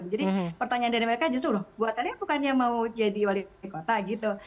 jadi pertanyaan dari mereka justru bu atalia bukannya mau jadi wali kota gitu